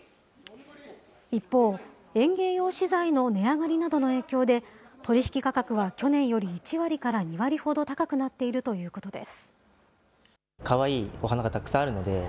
一方、園芸用資材の値上がりなどの影響で、取り引き価格は去年より１割から２割ほど高くなっているということです。